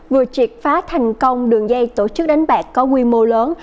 vừa triệt phá thành công đường dây tổ chức đánh bạc có quy mô lớn